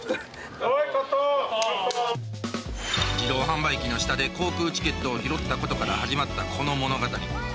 自動販売機の下で航空チケットを拾ったことから始まったこの物語。